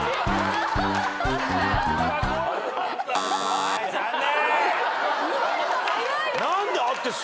はい残念。